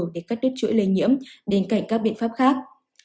để cắt đứt chuỗi lây nhiễm bên cạnh các biện pháp khác